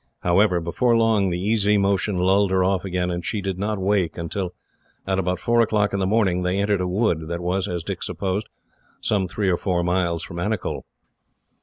However, before long the easy motion lulled her off again, and she did not wake until, at about four o'clock in the morning, they entered a wood that was, as Dick supposed, some three or four miles from Anicull.